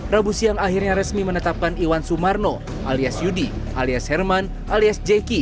rabu siang akhirnya resmi menetapkan iwan sumarno alias yudi alias herman alias jeki